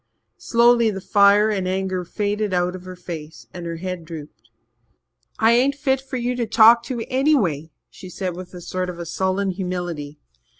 Slowly the fire and anger faded out of her face and her head drooped. "I ain't fit for you to talk to anyway," she said with a sort of sullen humility.